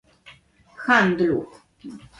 Handlu